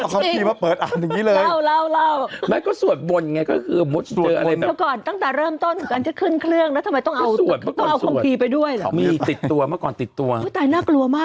แต่มดนำเขาก็เคยแบบเครื่องแบบตรงหลุมประกันเขาเอาคำพีย์ออกมาอ่านกันนะ